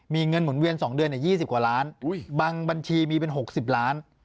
มีเงินหมุนเวียน๒เดือน๒๐กว่าล้านบางบัญชีมีเป็น๖๐ล้าน